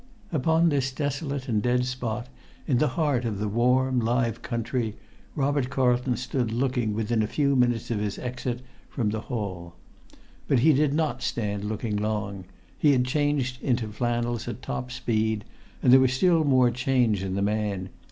Upon this desolate and dead spot, in the heart of the warm, live country, Robert Carlton stood looking within a few minutes of his exit from the hall. But he did not stand looking long. He had changed into flannels at top speed, and there was still more change in the man.